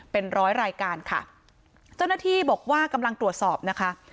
เป็นร้อยรายการค่ะเจ้าหน้าที่บอกว่ากำลังตรวจสอบนะคะ